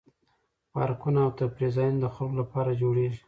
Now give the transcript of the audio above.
پارکونه او تفریح ځایونه د خلکو لپاره جوړیږي.